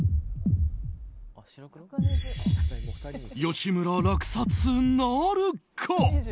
吉村、落札なるか？